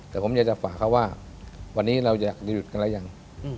แต่ผมอยากจะฝากเขาว่าวันนี้เราอยากหยุดกันแล้วยัง